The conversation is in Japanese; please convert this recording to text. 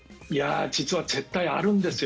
実は絶対あるんですよ